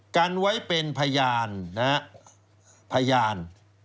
กันไว้เป็นพยานนะฮะพยานพยาน